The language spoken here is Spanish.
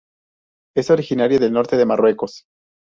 Es originaria de norte de Marruecos.